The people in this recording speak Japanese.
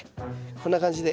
こんな感じで。